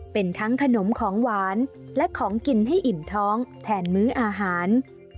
เป็นทั้งขนมของหวานและของกินให้อิ่มท้องแทนมื้ออาหาร